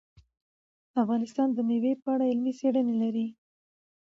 افغانستان د مېوې په اړه علمي څېړنې لري.